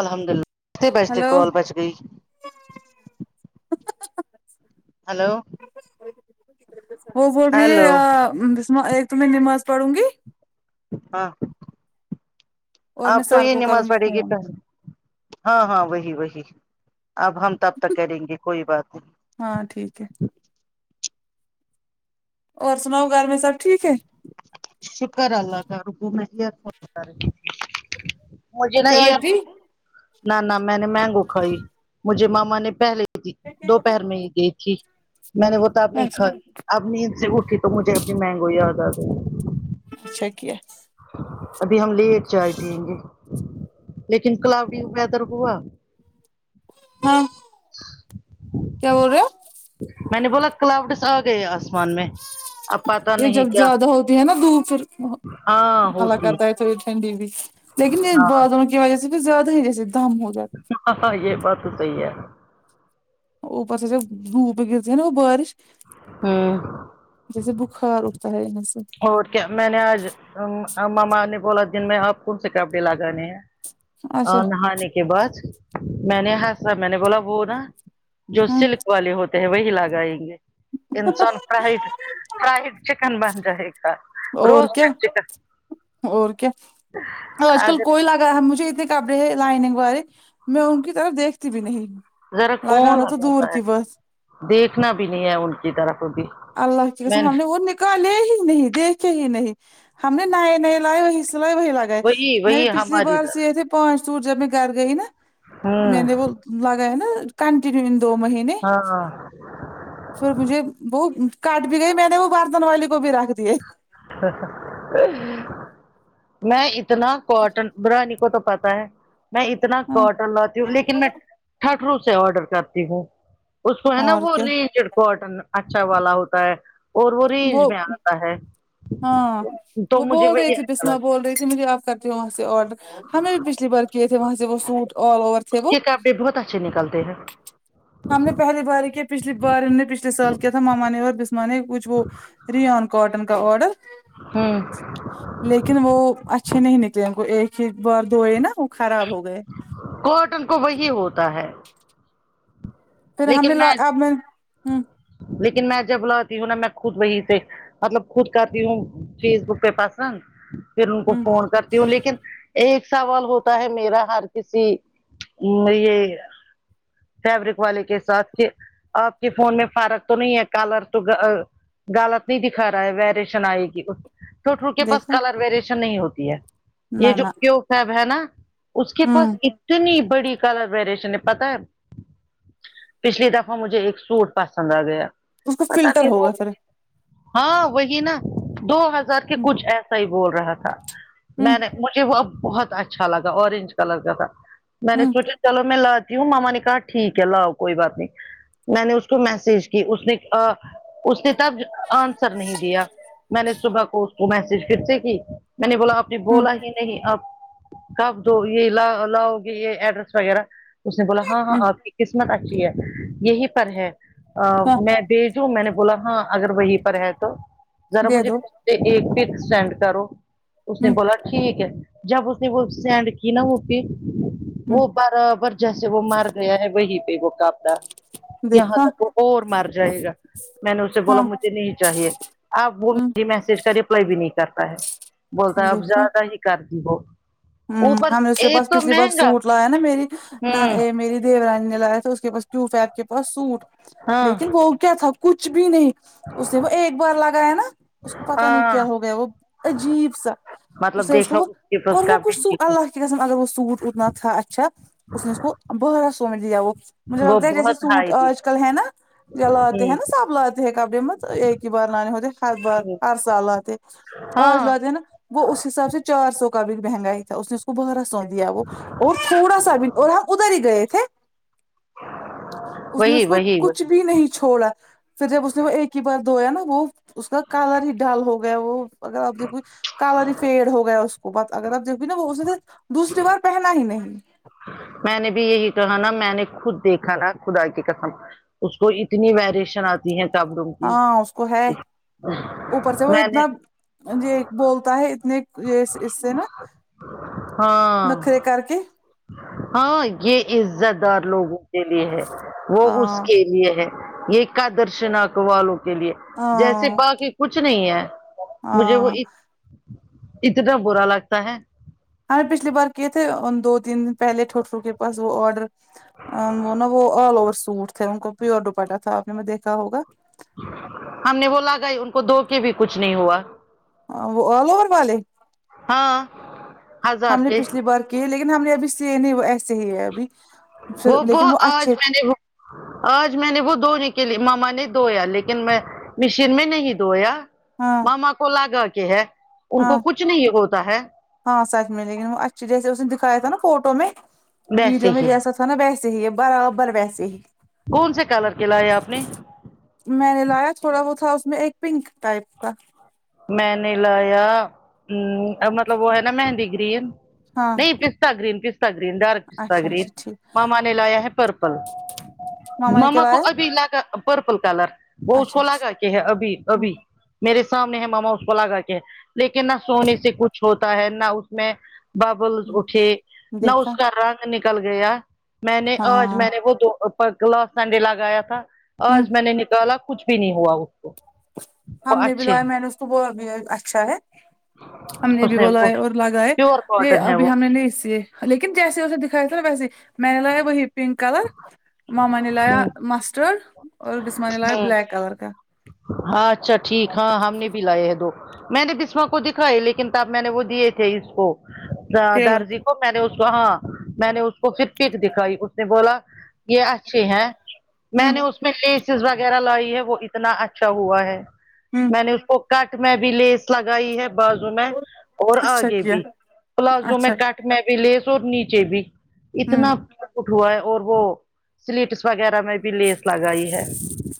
الحمد للہ بچتے بجتے ہلو کال بچ گئی ہیلو وہ بول رہی ہیلو ہے ایک تو میں نماز پڑھوں گی ہاں اور میں آپ تو سر یہ کو نماز کروں پڑھے گی فون ہاں ہاں وہی وہی اب ہم تب تک کریں گے کوئی بات نہیں ہاں ٹھیک ہے اور سناؤ گھر میں سب ٹھیک ہے شکر اللہ کا رکو میں مجھے نا چائے ایئر پی نہ نہ میں نے مینگو کھائی مجھے ماما نے پہلے دوپہر میں ہی گئی تھی میں نے وہتا آپ نے کھ اچھا اب نیند سے اٹھی تو مجھے اپنی مہنگو یاد آ گ اچھا کی ابھی ہم لیٹ چائے پیئیں گے لیکن کلاؤڈی ویدر ہوا ہاں کیا بول رہے ہو میں نے بولا کلاوڈس آ گئے آسمان میں آپ یہ جب زیادہ ہوتی ہے نا دھوپ ہاں اللہ ہوتی کرتا ہے تھوڑی ٹھنڈی بھی لیکن یہ ہاں باز کی وجہ سے تو زیادہ ہی جیس دم ہو جات ہاں ہاں یہ بات تو صحیح ہے ا پس سے دھوپ گرتی ہیں نا وہ بارش ہوں جیسے بخار اٹتا ہے ان سے اور کیا میں نے آج ماما نے بولا دن میں آپ کون سے کپڑے لگانے ہیں اچھا نہانے کے بعد میں نے ہسا میں نے بولا وہ نا جو ہاں سلک والے ہوتے ہیں وہی لگائیں گے انسان پرائٹ فرائیڈ چکن بن جائے گا اور روز کیا چکن اور کیا آج کل اگر کوئی لا مجھے اتنے کپڑے ہیں لائنگ والے میں ان کی طرف دیکھتی بھی نہیں ذرا کون لگانا تو دور لگاتا ہے کی بات دیکھنا بھی نہیں ہے ان کی طرف ا بھی میں لے ہی نہیں دیکھے ہی نہیں ہم نے نئے نئے لائے وہی سلائے وہی لا گئے وہی میں نے وہی پچھلی ہماری بار سئے طرف تھے پانچ سوٹ جب میں گھر گئی نا ہوں میں نے وہ لگا نا کنٹنیو دو مہینے ہاں پھر مجھے وہ کاٹ بھی گئی میں نے وہ برتن والی کو بھی رکھ دیے میں اتنا کاٹن برانی کو تو پتا ہے میں اتنا ہاں کاٹر لاتی ہوں لیکن میں ٹھٹرو سے آڈر کرتی ہوں اس کو ہے نا اور وہ کیا رینج کاٹن اچھا والا ہوتا ہے اور وہ رینج میں آ ہاں وہ مجھے بول رہی وہی تھی اچھا بسما لگتا بول رہی تھی مجھے آپ کر تھے وہاں سے آڈر ہمیں بھی پچھلی بار کیے تھے وہاں سے وہ سوٹ آل اوور تھے اس وہ کے کب بھی بہت اچھے نکلتے ہیں ہم نے پہلی بار یہ کیا پچھلی بار ہم نے پچھلے سال کیا تھا ماما نے اور بسمان نے کچھ وہ ریان کاٹن کا آڈر اں لیکن وہ اچھے نہیں نکلے ان کو ایک ہی بار دو ہے نا وہ خراب ہو گئے کوٹن کو وہی ہوتا ہے پھر ہم نے لی اب میں ہ لیکن میں جب لاتی ہوں نا میں خود وہی سے مطلب خود کرتی ہوں فیس بک پہ پسند پھر ان کو ہوں فون کر ہوں لیکن ایک سوال ہوتا ہے میرا ہر کسی یہ فیبرک والے کے ساتھ کہ آپ کے فون میں فرق تو نہیں ہے کالر تو غلط نہیں دکھا رہا ہے ویریشن آئے گی ٹوٹوٹ کے پاس دیکھا کلر ویریشن نہیں ہوتی ہے یہ نہ جو نہ کیو سیب ہے نا اس کے پاس ہوں اتنی بڑی کلر ویریشن ہے پتا ہے پچھلی دفعہ مجھے ایک سوٹ پسند آگیا اس کو پتا فلٹر نہیں ہوگا پھر ہاں وہی نا دو ہزار کے ہوں کچھ ایسا ہی بول رہا تھا ہوں میں نے مجھے وہ بہت اچھا لگا اورینج کلر کا تھا میں نے ہوں سوچا چلو میں لاتی ہوں ماما نےکہا ٹھیک ہے لاؤ کوئی بات نہیں میں نے اس کو میسج کی اس نے آ اس نے تب آنسر نہیں دیا میں نے صبح کو اس کو میسج پھر سے کی میں نے بولا آپ نے ہوں بلا ہی نہیں آپ کب دو یے لا لاؤ گے یے ایڈریس وغیرہ اس نے بولا ہاں ہاں ہوں آپ کی قسمت اچھی ہے یہی پر ہے ہاں میں دی میں نے بولا ہاں اگر وہیں پر ہے تو ذرا دے مجھے دو ایک پک سینڈ کرو اس نے ہوں بولا ٹھیک ہے جب اس نے وہ سینڈ کی نا وہ پیک ہوں وہ بارابر جیسے وہ مار گیا ہے پے وہ کاپا یہاں دیکھا تک وہ اور مر جائے گا میں نے اسے ہاں بولا مجھے نہیں چاہیے آپ وہ ہوں میری میسج کا ریپ لی بھی نہیں کرتا ہے بولتا اب دیکھا زیادہ ہی کر دی وہ ہم نے اس کے پاس پچھلی بار سوٹ لایا نا میری نہ ہوں میری دی رانی نے لایا تھا اس کے پاس کیو فیک کے پاس سوٹ ہاں لیکن وہ کیا تھا کچھ بھی نہیں اس نے وہ ایک بار لگایا نا اس کو پتا نہیں کیا ہاں ہو گیا وہ عجیب سا اس مطلب سے اس کو دیکھا وہ کے اور پاس وہ کا بیچی کو الله کے قسم اگر وہ سوٹ اتنا تھا اچھا اس نے اس کو بارہ سو میں دیا وہ مجھے وہ لگتا ہے جیسے بہت سوٹ ہائی آج کل ہے نا لاتے ہیں تھی نا سب لاتے ہیں کپڑے ایک ہی بار لانے ہوتے ہر بار ہوں ہر سال لاتے آج ہاں لاتے نا وہ اس حساب سے چار سو کا بھی مہنگاہی تھا اس نے بارا سو دیا وہ اور تھوڑا سا بھی اور ہم ادھر ہی گئے تھے اس نے وہی اس کو وہی کچھ وہی بھی نہیں چھوڑا فیر جب اس نے وہ ایک ہی بار دھویا نا وہ اس کا کالر ہی ڈال ہو گیا وہ اگر اپ دیکو کلر ہی فیڈ ہو گیا اس کو [unintelligible] میں نے بھی یہی کہا نا میں نے خود دیکھا نا خدا کی قسم اس کو اتنی ویریشن آتی ہیں کب روم کی ہاں اس کو ہے میں نے جی بولتا ہے اتنے یے اس سے نا ہاں نخرے کر کے ہاں یے عزت دار لوگوں کے لیے ہے وہ اس ہاں کے لیے ہے یے کا درشناک والوں کے لیے جیسے ہاں باقی کچھ نہیں ہے مجھے ہاں وہ اتنا برا لگتا ہے ہم نے پچھلی بار کیے تھے دو تین دن پہلے ٹوٹرو کے پاس وہ آرڈر وہ نا وہ آل ور سوٹ تھے ان کو پیور ڈپاٹا تھا آپ نے میں دیکھا ہوگا ہم نے وہ لگا ہی ان کو دھو کے بھی کچھ نہیں ہوا آل اوور والے ہاں ہزار ہم نے کے پچھلی بار کی ہے لیکن ہم نے ابھی سے نہیں ایسے ہی ہے ابھی وہ پھر وہ لیکن آج اچھے میں نے وہ آج میں نے وہ دھونے کے لیے ماما نے دھویا لیکن میں مشین میں نہیں دویا ہاں ماما کو لاگا کے ہے ان ہاں کو کچھ نہیں ہوتا ہے ہاں سچ میں لیکن وہ اچھے جیسے اس نے دکھایا تھا نا فوٹو میں ویڈیو ویسے میں ہی جیسا تھا [unintelligible] نا بیس ہی ہے برابر ویسے ہی کون سے کلر کے لائے آپ نے میں نے لایا تھوڑا وہ تھا اس میں ایک پنک ٹائپ کا میں نے لایا ا مطلب وہ ہے نہ مہندی گرین ہاں نہیں پستہ گرین پستہ گرین ڈارک پستہ اچھا گرین اچھا ٹھیک ماما نے لایا ہے پرپل نے کیا ماما کو لایا ابھی لا کر پرپل کلر وہ اس اچھا کو لگا اچھا کے ہے ابھی ابھی میرے سامنے ہے ماما اس کو لگا کے لیکن نہ سونے سے کچھ ہوتا ہے نہ اٹھنے ببل اٹھے نہ دیکھا اس کا رنگ نکل گیا میں نے آج ہاں میں نے وہ دو پا لاسٹ سنڈے لگایا تھا ہوں آج میں نے نکالا کچھ بھی نہیں ہوا اس کو وہ ہم نے بھی اچھے لایا میں نے اس بب اچھا ہے ہم نے اس بھی بولا وہ ہے اور لگا ہے پیور یہ کاٹن ہے ابھی وہ ہم نے نہیں سے لیکن جیسے اسے دکھایا تھا نہ ویسے میں نے لگا یا وہی پنک کلر ماما نے لایا مسٹرڈ اور بسمہ نے لایا ہ ہ بلیک کلر کا ہاں اچھا ٹھیک ہاں ہم نے بھی لائے ہیں دو میں نے بسمہ کو دکھائی لیکن تب میں نے وہ دئے تھے اس کو ٹیلر درضی میں نے اس کو ہاں میں نے اس کو پھر پک دکھائی اس نے بولا یہ اچھے ہیں میں ہمم نے اس میں لیسز وغیرہ لائی ہے وہ اتنا اچھا ہوا ہے ہمم میں نے اس کو کٹ میں بھی لیس لگائی ہے با زو میں اور اچھا آگے کیا بھی پلازو میں اچھا کٹ میں بھی لیس اور نیچے بھی ہمم اتنا اٹ ہوا ہے اور وہ سلیٹس وغیرہ میں بھی لیس لگائی ہے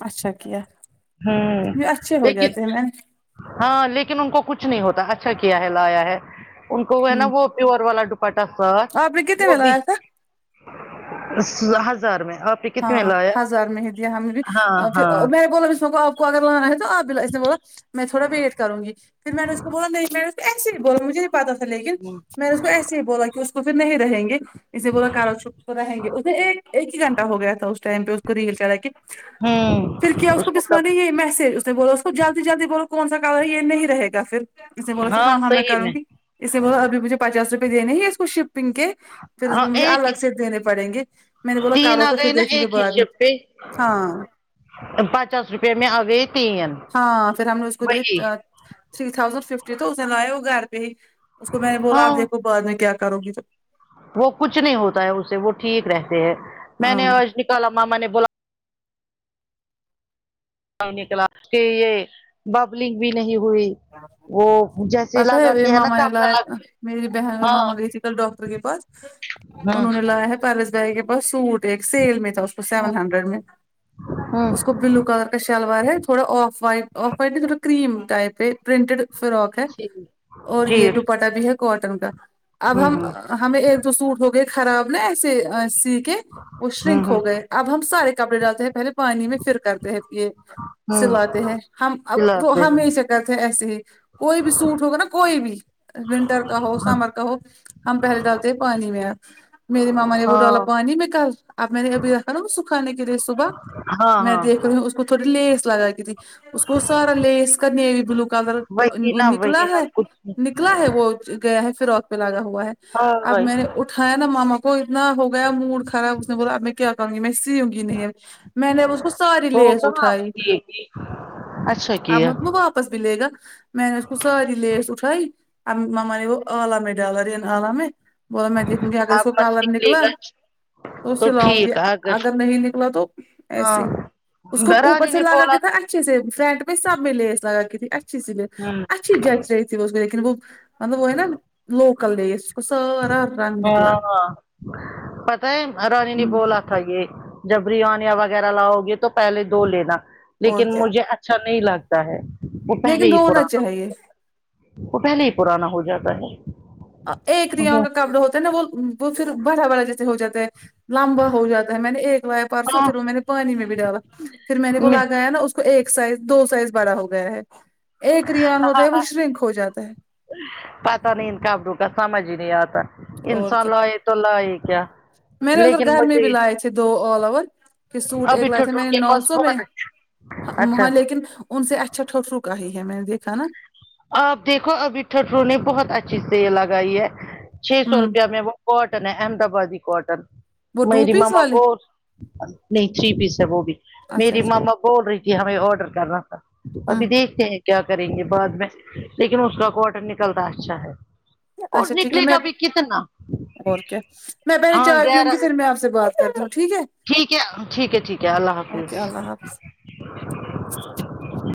اچھا کیا ہوں یہ اچھے ہو لیکن جاتے ہیں میںم ہاں لیکن ان کو کچھ نہیں ہوتا اچھا کیا ہے لایا ہے ان کو وہ ہے نہ ہمم وہ پیور والا ڈو پٹا سا آپ نے کتنے وہ میں بھی لایا تھا ہزار میں آپ نے کتنے میں ہاں لایا ہزار میں ہی دیا ہم نے بھی ہاں پھر ہاں میں بولا اس کو کو اگر لگانا ہے تو آ بلا اس نے بولا میں تھوڑا ویٹ کروں گی پھر میں نے اس کو بولا نہیں میں نے ایسے ہی بول مجھے پتہ تھا لیکن میں نے اس کو ایسے ہی بولا کہ اس کو فر نہیں رہیں گے اسے بولا کرا چپ رہیں گے اسے ایک ہی گھنٹہ ہو گیا تھا اس ٹائم پہ اس کو ریل چلا کے ہوں پھر کیا اس کو کسوہ نے یہ میسج اس نے بولا اس کو جلدی جلدی بولو کون سا رہا یہ نہیں رہےگا پھر اس نے بولا پھر ہاں ہاں میں کروں گی اسے بولا ابھی مجھے پچاس روپئے دینے ہیں اس کو شپپنگ کے پھر اس ہاں کو مجھے ایک الگ سے دینے پڑیں گے میں نے بولا تین کرو آ تو گئے پھر نہ دیکھیں گے ایک ہی بعد میں شپ پہ ہاں پچاس روپے میں اوے تین ہاں پھر ہم نے اس کو دی وہی تھری تھاؤزینڈ ففٹی تو اس نے لایا وہ گھر پہ ہی اس کو میں نے بولا ہاں آپ دیکھو بعد میں کیا کرو گی تو وہ کچھ نہیں ہوتا ہے اسے وہ ٹھیک رہتے ہے میں نے ہاں آج نکالا ماما نے بولا نکلا کہ یہ ببلنگ بھی نہیں ہوئی وہ جیسے پتہ ہے لگا وہ کہ نا ماما نے لایا کپڑا میری بہن ماما گئی ہاں تھی کل ڈاکٹر کے پاس ہاں انہوں نے لایا ہے پارس گ بس سوٹ ایک سیل میں تھا اس کو سیون ہنڈریڈ میں ہاں اس کو بلو کلر شلوار ہے تھوڑا آف وائٹ آف وائٹ نہیں تھوڑا کریم ٹائپ ہے پرنٹڈ فرااک ہے جی اور جی یہ ڈو پٹہ بھی ہے کوٹن کا اب ہوں ہم ہوں ہمیں ایک دو سوٹ ہو گئے خراب نہ ایسے سی کے وہ ہوں شرنک ہوں ہو گئے اب ہم سارے کپڑے ڈالتے ہیں پہلے پانی میں فر کرتے ہیں یہ ہوں سلا تے ہیں ہم اب تو کھلاتے ہم ہیں ہی سے کرتے ہیں ایسے ہی کوئی بھی سوٹ ہوگا نہ کوئی بھی ونٹر کا ہو ہاں سمر کا ہو ہم پہلے ڈالتے ہیں پانی میں میری ماما نے وہ ڈالا پانی میں کل اب میں نے ابھی رکھا نہ وہ سکھانے کے لیے صبح ہاں میں دیکھ ہاں رہی ہوں اس کو تھوڑی لیس لگا کیسی اس کو سارا لیس کرنے بلو کلر وہی نا نکلا وہی نا ہے کچھ نکلا ہے وہ گیا ہے فراک پہ لگا ہوا ہے اب ہاں میں نے اٹھیا نا ماما کو اتنا ہو گیا موڈ خراب اس نے بولا اب میں کیا کہوں گی میں سی ہوں گی نہیں اب میں نے اس کو ہو کہاں آ اچھا کی اب ہے مت وہ واپس ملے گا میں نے اس کو ساری لیس اٹھائی ممانے گ وہ عالامہ ڈالا رن عالامہ میں بعد میں دیکھوں گی اگر اس کو آپ مت کالر نکلے نکلا گا تو اسے لاؤں گی ٹھیک آ گئے اگر نہیں نکلا تو ایسے ہی اس ہاں کو اوپر درانی سے نے لگا بولا کے تھا اچھے سے فرنٹ میں سب میں لیس لگا کے تھی اچھی سے لیس ہوں اچھی جچرہی تھی وہ لیکن وہ مطلب وہ ہے نہ لوکل لیس کو سارا رنگ نکلا ہاں ہاں پتہ ہے رانی نے ہمم بولا آ تھا یہ جب ریانے وغیرہ لاؤ گے تو پہلے دو لینا اور لیکن کیا مجھے اچھا نہیں لگتا ہے وہ پہلے لیکن ہی رونا پرانا چاہیے ہو وہ پہلے ہی پرانا ہو جاتا ہے ایک ریا ان کا کپڑا ہوتا ہے نا وہ وہ پھر بڑا بڑا جیسے ہو جاتا ہے لمبا ہو جاتا ہے میں نے ایک لایا پرسوں ہاں پھر وہ میں نے پانی میں بھی ڈالا پھر میں نے وہ لگایا نا ایک سائز دو سائز بڑا ہو گیا ہے ایک ریان ہوتا ہے وہ شرنک ہو جاتا ہے پتہ نہیں ان کابروں کا سمجھ ہی نہیں آتا اور انسان کیا لائے تو لائے کیا میں نے ادھر لیکن گھر میں بھی مجھے لائے تھے دو الاور کہ سوٹ ایک ابھی لائے تھے میں ٹھٹر نے کے نو پاس سو بہت اچھا مہاں اچھا لیکن ان سے اچھا ٹھوٹھرو کا ہے میں نے دیکھا نا آپ دیکھو ابھی ٹھٹرو نے بہت اچھی سیسل لگائی ہے چھ سو ہوں روپیہ میں وہ کاٹن ہے احمدآبادی کاٹن وہ ٹو میری پیس ماما والے وہ نہیں ٹری پیس ہے وہ بھی اچھا میری اچھا ماما بول رہی تھی ہمیں آرڈر کرنا تھا ابھی ہوں دیکھتے ہیں کیا کریں گے بعد میں لیکن اس کا کوٹن نکلتا اچھا ہے اور اچھا ٹھیک ہے نکلے میں گا بھی کتنا اور کیا میں پہلے ہاں چائے پیوں گیارہ گی پھر میں آپ سے بات کروں ٹھیک ہے ٹھیک ہے ٹھیک ہے ٹھیک ہے اللہ حافظ اوکے اللہ حافظ